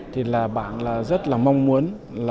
thì bạn rất mong muốn